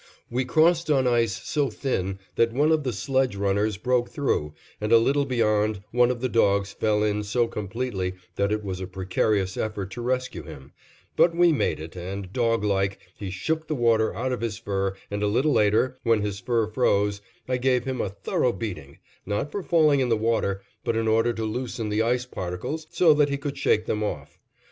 We crossed on ice so thin that one of the sledge runners broke through, and a little beyond one of the dogs fell in so completely that it was a precarious effort to rescue him; but we made it and, doglike, he shook the water out of his fur and a little later, when his fur froze, I gave him a thorough beating; not for falling in the water, but in order to loosen the ice particles, so that he could shake them off.